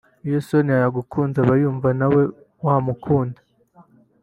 Iyo Sonia yagukunze aba yumva nawe wamukunda